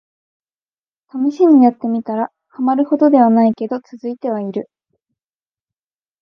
ためしにやってみたら、ハマるほどではないけど続いてはいる